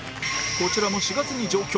こちらも４月に上京